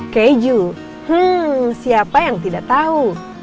keju hmm siapa yang tidak tahu